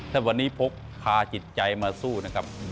ถ้าวันนี้พกพาจิตใจมาสู้นะครับ